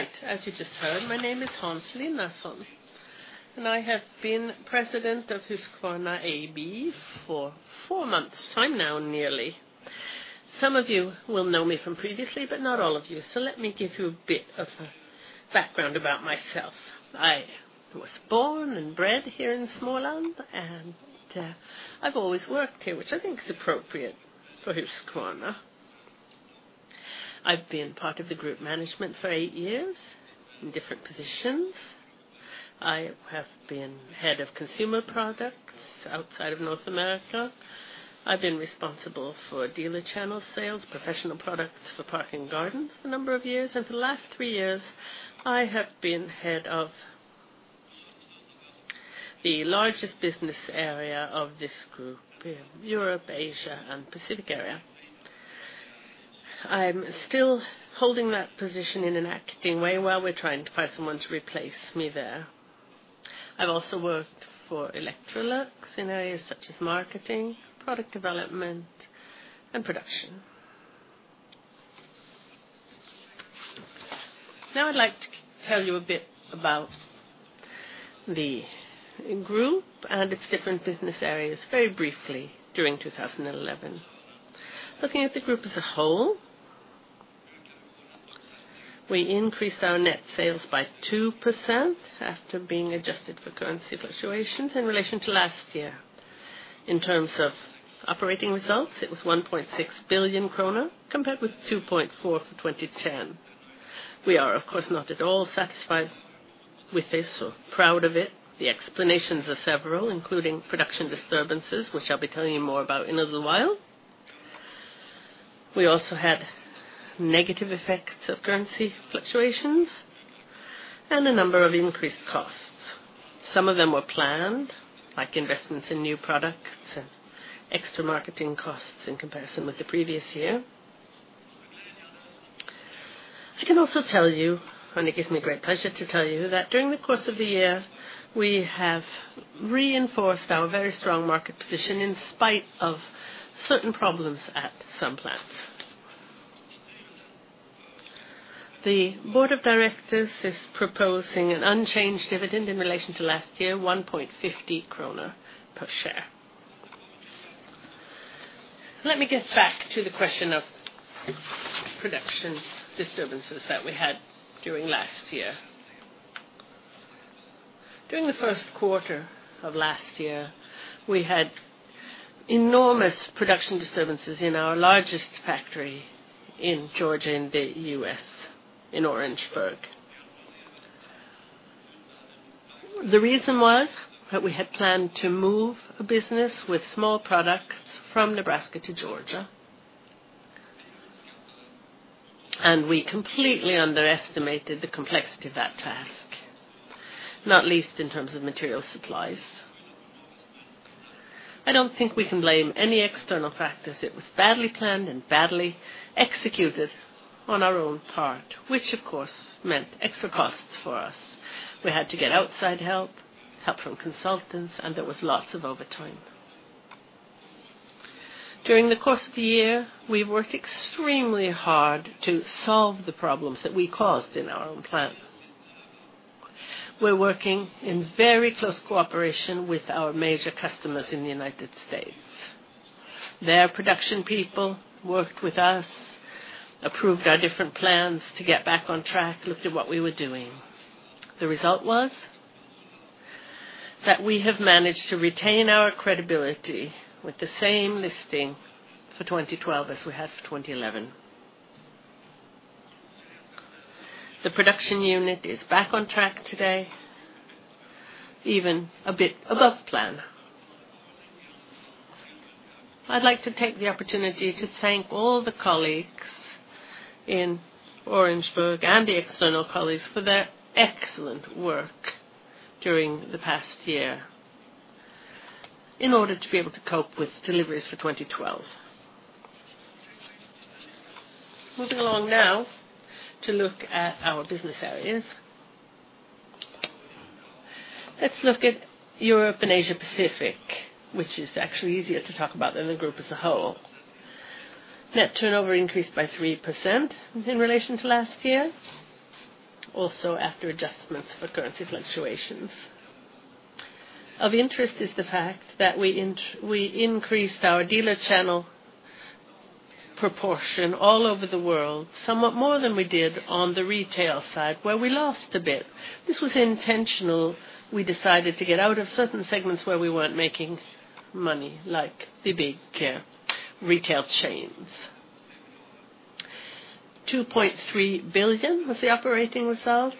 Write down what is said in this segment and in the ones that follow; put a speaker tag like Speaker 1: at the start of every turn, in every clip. Speaker 1: Right, as you just heard, my name is Hans Linnarson, and I have been President of Husqvarna AB for four months. I'm now nearly. Some of you will know me from previously, but not all of you. Let me give you a bit of a background about myself. I was born and bred here in Småland, and I've always worked here, which I think is appropriate for Husqvarna. I've been part of the group management for eight years in different positions. I have been Head of consumer products outside of North America. I've been responsible for dealer channel sales, professional products for park and gardens for a number of years. For the last three years, I have been head of the largest business area of this group in Europe, Asia, and Pacific area. I'm still holding that position in an acting way as we're trying to find someone to replace me there. I've also worked for Electrolux in areas such as marketing, product development, and production. Now I'd like to tell you a bit about the group and its different business areas very briefly during 2011. Looking at the group as a whole, we increased our net sales by 2% after being adjusted for currency fluctuations in relation to last year. In terms of operating results, it was 1.6 billion kronor compared with 2.4 billion for 2010. We are, of course, not at all satisfied with this, or proud of it. The explanations are several, including production disturbances, which I'll be telling you more about in a little while. We also had negative effects of currency fluctuations and a number of increased costs. Some of them were planned, like investments in new products and extra marketing costs in comparison with the previous year. I can also tell you, and it gives me great pleasure to tell you, that during the course of the year, we have reinforced our very strong market position in spite of certain problems at some plants. The board of Directors is proposing an unchanged dividend in relation to last year, 1.50 kronor per share. Let me get back to the question of production disturbances that we had during last year. During the first quarter of last year, we had enormous production disturbances in our largest factory in Georgia in the U.S., in Orangeburg. The reason was that we had planned to move a business with small products from Nebraska to Georgia, and we completely underestimated the complexity of that task, not least in terms of material supplies. I don't think we can blame any external factors. It was badly planned and badly executed on our own part, which, of course, meant extra costs for us. We had to get outside help, help from consultants, and there was lots of overtime. During the course of the year, we worked extremely hard to solve the problems that we caused in our own plant. We're working in very close cooperation with our major customers in the United States. Their production people worked with us, approved our different plans to get back on track, looked at what we were doing. The result was that we have managed to retain our credibility with the same listing for 2012 as we had for 2011. The production unit is back on track today, even a bit above plan. I'd like to take the opportunity to thank all the colleagues in Orangeburg and the external colleagues for their excellent work during the past year in order to be able to cope with deliveries for 2012. Moving along now to look at our business areas, let's look at Europe and Asia-Pacific, which is actually easier to talk about than the group as a whole. Net turnover increased by 3% in relation to last year, also after adjustments for currency fluctuations. Of interest is the fact that we increased our dealer channel proportion all over the world, somewhat more than we did on the retail side, where we lost a bit. This was intentional. We decided to get out of certain segments where we weren't making money, like the big retail chains. $2.3 billion was the operating result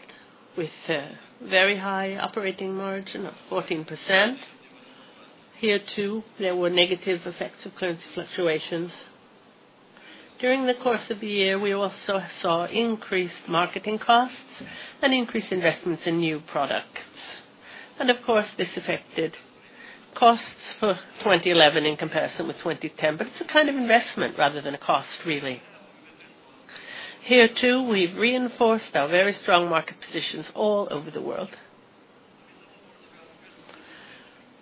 Speaker 1: with a very high operating margin of 14%. Here, too, there were negative effects of currency fluctuations. During the course of the year, we also saw increased marketing costs and increased investments in new products. Of course, this affected costs for 2011 in comparison with 2010, but it's a kind of investment rather than a cost, really. Here, too, we've reinforced our very strong market positions all over the world.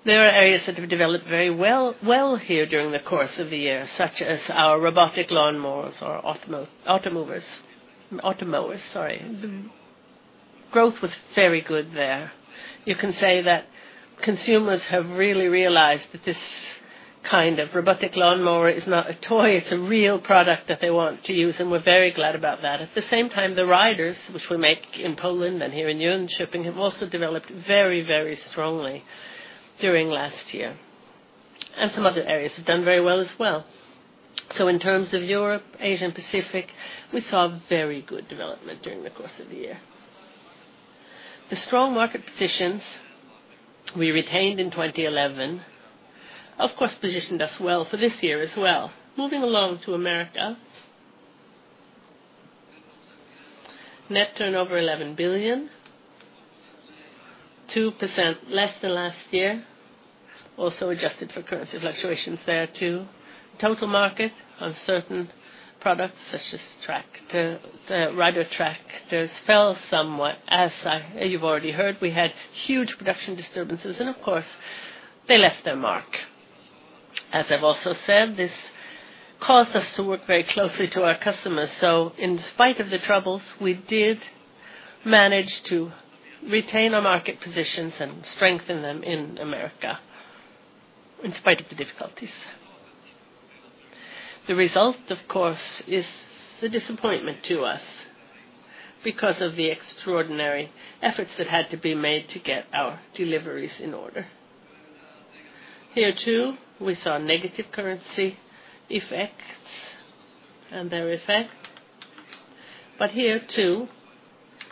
Speaker 1: There are areas that have developed very well here during the course of the year, such as our robotic mowers or automowers. Growth was very good there. You can say that consumers have really realized that this kind of robotic mower is not a toy. It's a real product that they want to use, and we're very glad about that. At the same time, the riders, which we make in Poland and here in Jönköping, have also developed very, very strongly during last year. Some other areas have done very well as well. In terms of Europe, Asia, and Pacific, we saw very good development during the course of the year. The strong market positions we retained in 2011, of course, positioned us well for this year as well. Moving along to America, net turnover was 11 billion, 2% less than last year, also adjusted for currency fluctuations there, too. The total market on certain products such as rider tractors fell somewhat, as you've already heard. We had huge production disturbances, and of course, they left their mark. As I've also said, this caused us to work very closely to our customers. In spite of the troubles, we did manage to retain our market positions and strengthen them in America in spite of the difficulties. The result, of course, is a disappointment to us because of the extraordinary efforts that had to be made to get our deliveries in order. Here, too, we saw negative currency effects and their effect. Here, too,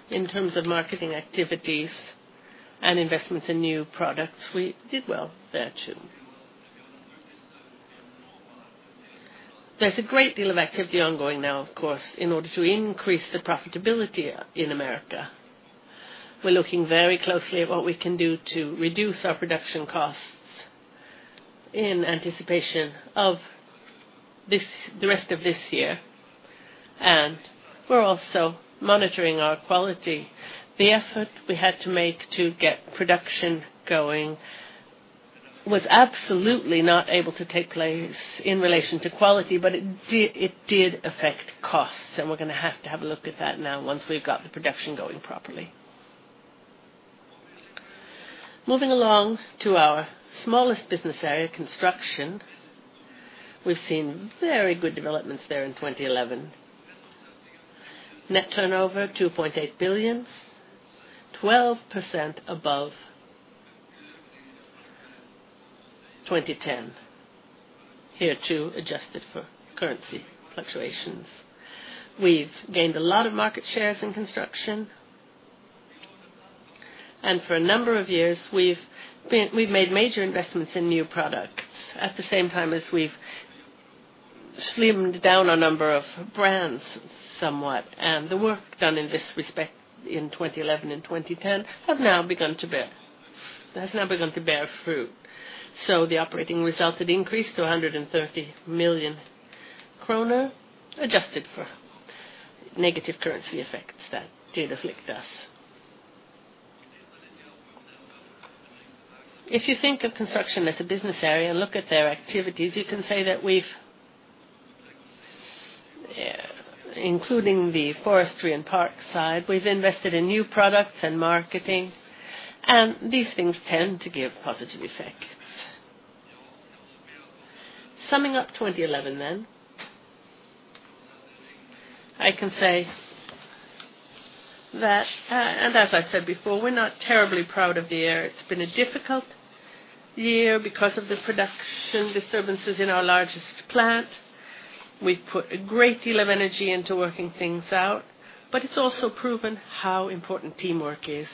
Speaker 1: in terms of marketing activities and investments in new products, we did well there, too. There's a great deal of activity ongoing now, of course, in order to increase the profitability in America. We're looking very closely at what we can do to reduce our production costs in anticipation of the rest of this year. We're also monitoring our quality. The effort we had to make to get production going was absolutely not able to take place in relation to quality, but it did affect costs. We're going to have to have a look at that now once we've got the production going properly. Moving along to our smallest business area, construction, we've seen very good developments there in 2011. Net turnover was 2.8 billion, 12% above 2010. Here, too, adjusted for currency fluctuations. We've gained a lot of market shares in construction. For a number of years, we've made major investments in new products at the same time as we've slimmed down a number of brands somewhat. The work done in this respect in 2011 and 2010 has now begun to bear fruit. The operating result had increased to 130 million kronor, adjusted for negative currency effects that did afflict us. If you think of construction as a business area and look at their activities, you can say that we've, including the forestry and park side, we've invested in new products and marketing. These things tend to give positive effects. Summing up 2011 then, I can say that, and as I said before, we're not terribly proud of the year. It's been a difficult year because of the production disturbances in our largest plant. We put a great deal of energy into working things out. It has also proven how important teamwork is,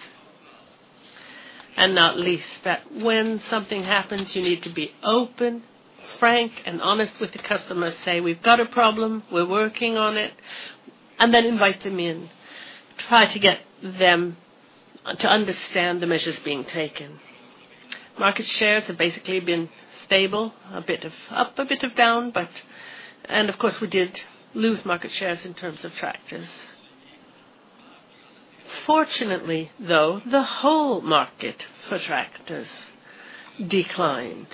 Speaker 1: and not least, that when something happens, you need to be open, frank, and honest with the customer. Say, "We've got a problem. We're working on it." Invite them in. Try to get them to understand the measures being taken. Market shares have basically been stable, a bit of up, a bit of down, and of course, we did lose market shares in terms of tractors. Fortunately, though, the whole market for tractors declined,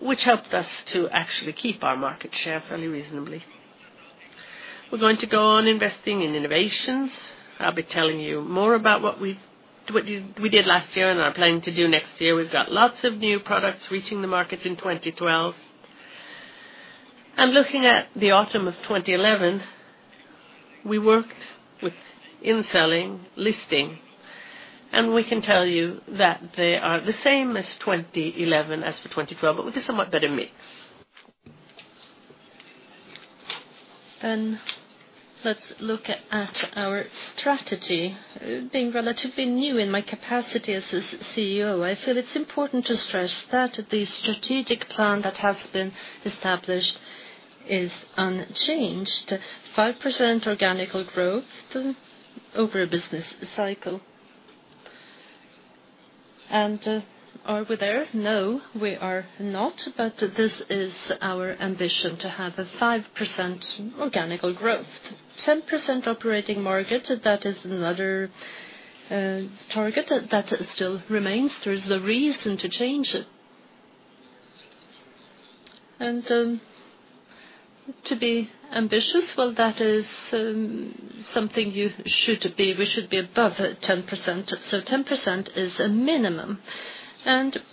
Speaker 1: which helped us to actually keep our market share fairly reasonably. We're going to go on investing in innovations. I'll be telling you more about what we did last year and are planning to do next year. We've got lots of new products reaching the market in 2012. Looking at the autumn of 2011, we worked with inselling listing, and we can tell you that they are the same as 2011 as for 2012, but with a somewhat better mix. Let's look at our strategy. Being relatively new in my capacity as CEO, I feel it's important to stress that the strategic plan that has been established is unchanged. 5% organic growth over a business cycle. Are we there? No, we are not, but this is our ambition to have a 5% organic growth. 10% operating margin, that is another target that still remains. There is no reason to change it. To be ambitious, that is something you should be. We should be above 10%. 10% is a minimum.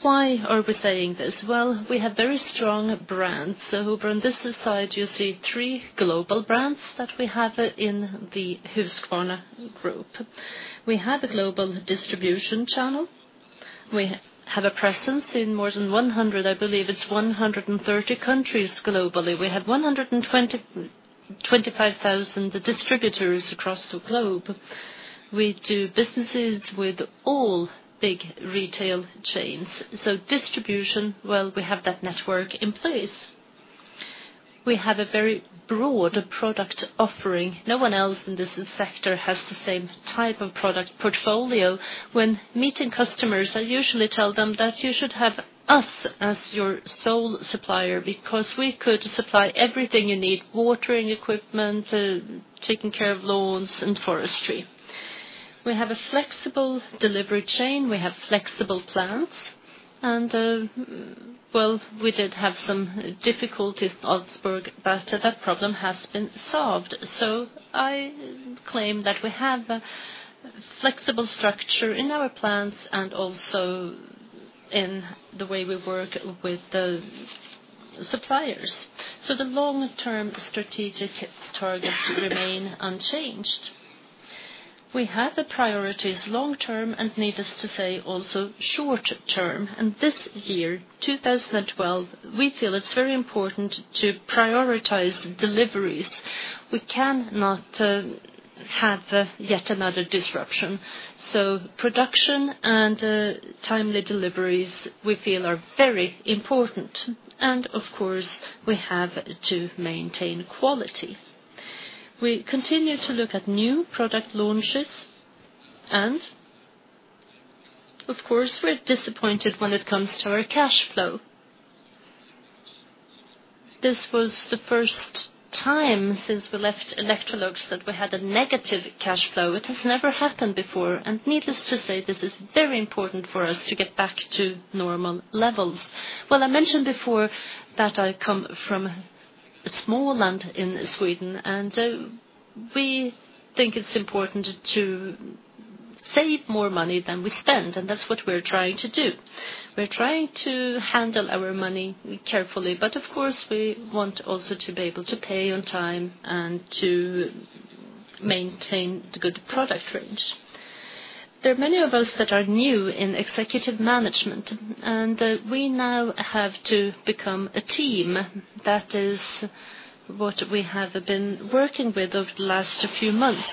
Speaker 1: Why are we saying this? We have very strong brands. Over on this side, you see three global brands that we have in the Husqvarna Group. We have a global distribution channel. We have a presence in more than 100, I believe it's 130 countries globally. We have 125,000 distributors across the globe. We do business with all big retail chains. Distribution, we have that network in place. We have a very broad product offering. No one else in this sector has the same type of product portfolio. When meeting customers, I usually tell them that you should have us as your sole supplier because we could supply everything you need: watering equipment, taking care of lawns, and forestry. We have a flexible delivery chain. We have flexible plants. We did have some difficulties in Augsburg, but that problem has been solved. I claim that we have a flexible structure in our plants and also in the way we work with the suppliers. The long-term strategic targets remain unchanged. We have priorities long-term and, needless to say, also short-term. This year, 2012, we feel it's very important to prioritize deliveries. We cannot have yet another disruption. Production and timely deliveries, we feel, are very important. Of course, we have to maintain quality. We continue to look at new product launches. Of course, we're disappointed when it comes to our cash flow. This was the first time since we left Electrolux that we had a negative cash flow. It has never happened before. Needless to say, this is very important for us to get back to normal levels. I mentioned before that I come from a small land in Sweden, and we think it's important to save more money than we spend. That's what we're trying to do. We're trying to handle our money carefully. Of course, we want also to be able to pay on time and to maintain the good product range. There are many of us that are new in executive management, and we now have to become a team. That is what we have been working with over the last few months.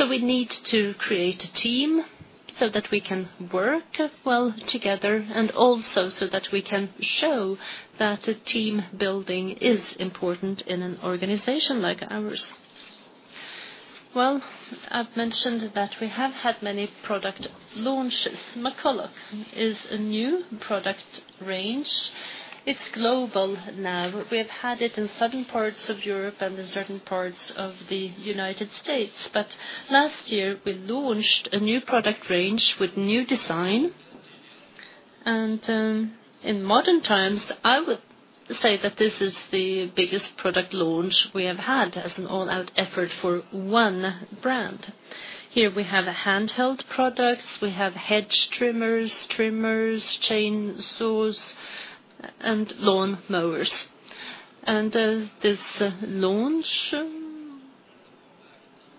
Speaker 1: We need to create a team so that we can work well together and also so that we can show that team building is important in an organization like ours. I've mentioned that we have had many product launches. Smokolok is a new product range. It's global now. We've had it in certain parts of Europe and in certain parts of the United States. Last year, we launched a new product range with new design. In modern times, I would say that this is the biggest product launch we have had as an all-out effort for one brand. Here, we have handheld products. We have hedge trimmers, trimmers, chainsaws, and lawnmowers. This launch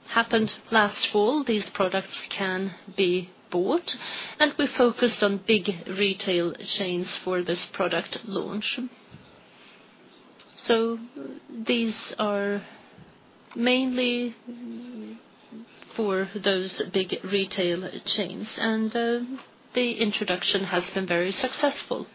Speaker 1: happened last fall. These products can be bought. We focused on big retail chains for this product launch. These are mainly for those big retail chains. The introduction has been very successful.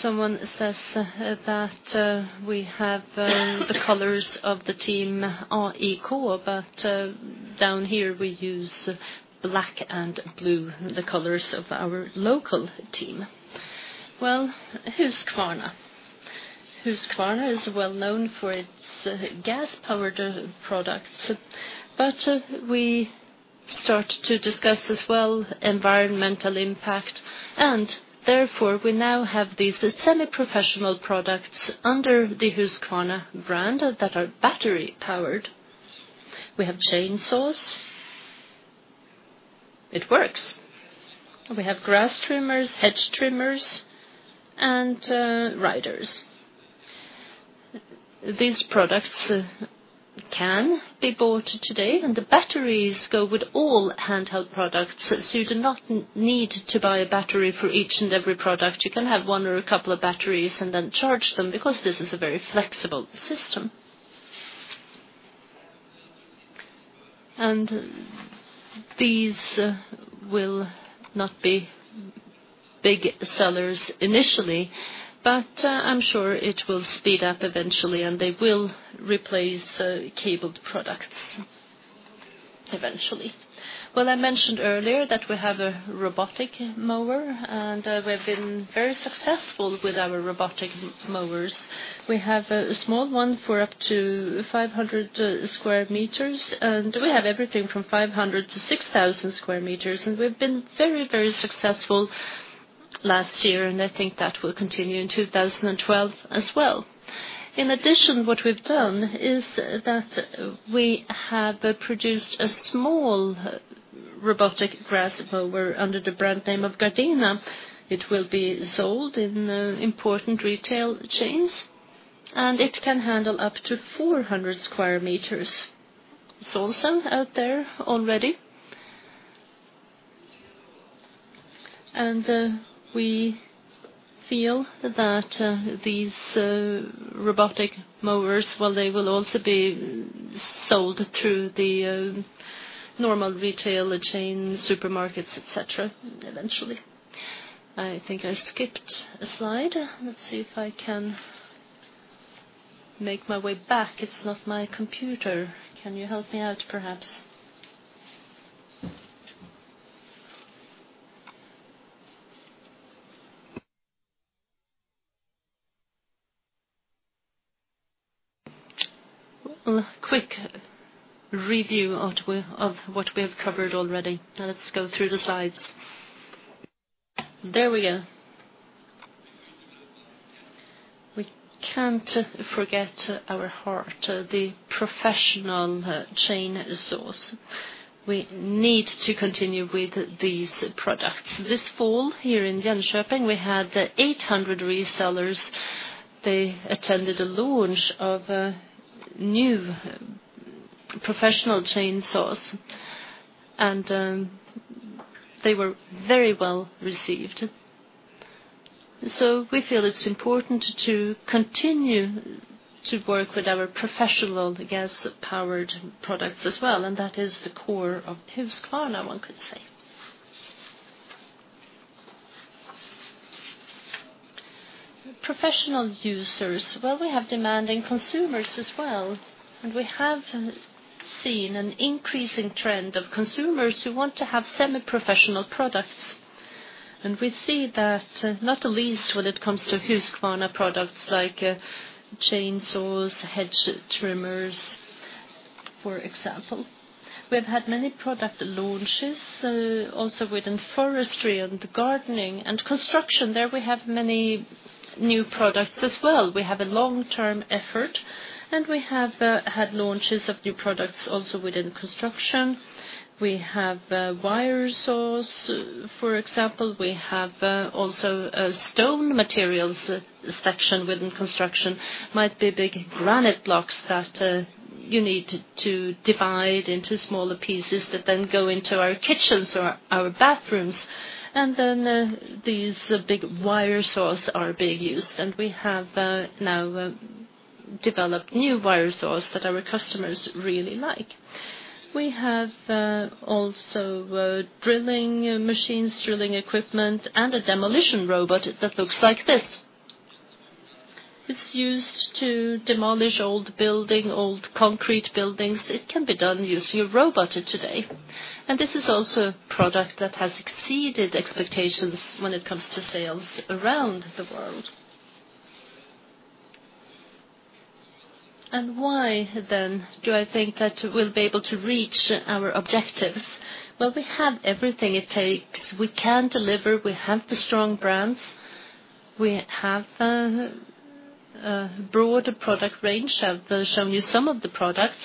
Speaker 1: Someone says that we have the colors of the team are equal, but down here, we use black and blue, the colors of our local team. Husqvarna is well known for its gas-powered products. We start to discuss as well environmental impact. Therefore, we now have these semi-professional products under the Husqvarna brand that are battery-powered. We have chainsaws. It works. We have grass trimmers, hedge trimmers, and riders. These products can be bought today, and the batteries go with all handheld products. You do not need to buy a battery for each and every product. You can have one or a couple of batteries and then charge them because this is a very flexible system. These will not be big sellers initially, but I'm sure it will speed up eventually, and they will replace cabled products eventually. I mentioned earlier that we have a robotic mower, and we've been very successful with our robotic mowers. We have a small one for up to 500 sq m, and we have everything from 500 sq m-6,000 sq m. We've been very, very successful last year, and I think that will continue in 2012 as well. In addition, what we've done is that we have produced a small robotic grass mower under the brand name of Gardena. It will be sold in important retail chains, and it can handle up to 400 sq m. It's also out there already. We feel that these robotic mowers, they will also be sold through the normal retail chains, supermarkets, etc., eventually. I think I skipped a slide. Let's see if I can make my way back. It's not my computer. Can you help me out, perhaps? A quick review of what we have covered already. Now let's go through the slides. There we go. We can't forget our heart, the professional chainsaws. We need to continue with these products. This fall here in Jönköping, we had 800 resellers. They attended a launch of new professional chainsaws, and they were very well received. We feel it's important to continue to work with our professional gas-powered products as well. That is the core of Husqvarna, one could say. Professional users, we have demanding consumers as well. We have seen an increasing trend of consumers who want to have semi-professional products. We see that not the least when it comes to Husqvarna products like chainsaws, hedge trimmers, for example. We have had many product launches also within forestry and gardening and construction. There, we have many new products as well. We have a long-term effort, and we have had launches of new products also within construction. We have wire saws, for example. We also have a stone materials section within construction. Might be big granite blocks that you need to divide into smaller pieces that then go into our kitchens or our bathrooms. These big wire saws are being used. We have now developed new wire saws that our customers really like. We have also drilling machines, drilling equipment, and a demolition robot that looks like this. It's used to demolish old buildings, old concrete buildings. It can be done using a robot today. This is also a product that has exceeded expectations when it comes to sales around the world. Why do I think that we'll be able to reach our objectives? We have everything it takes. We can deliver. We have the strong brands. We have a broad product range. I've shown you some of the products.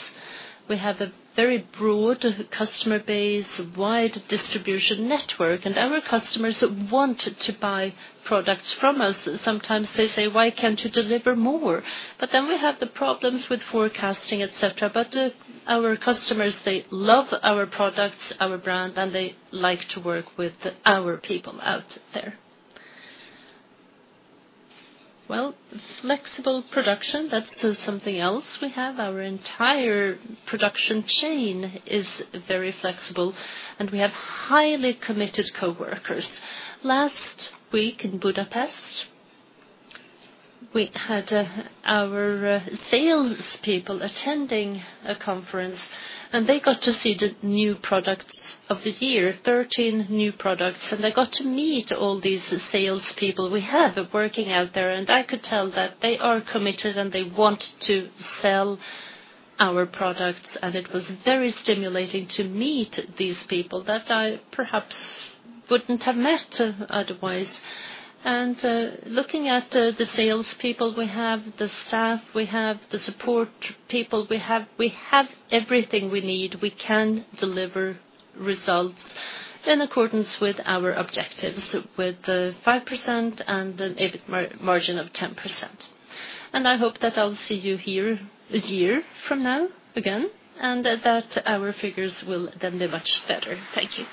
Speaker 1: We have a very broad customer base, wide distribution network, and our customers want to buy products from us. Sometimes they say, "Why can't you deliver more?" We have the problems with forecasting, etc. Our customers, they love our products, our brand, and they like to work with our people out there. Flexible production, that's something else. We have our entire production chain is very flexible, and we have highly committed coworkers. Last week in Budapest, we had our salespeople attending a conference, and they got to see the new product of the year, 13 new products. They got to meet all these salespeople we have working out there. I could tell that they are committed, and they want to sell our products. It was very stimulating to meet these people that I perhaps wouldn't have met otherwise. Looking at the salespeople we have, the staff we have, the support people we have, we have everything we need. We can deliver results in accordance with our objectives with 5% and an EBIT margin of 10%. I hope that I'll see you here a year from now again, and that our figures will then be much better. Thank you.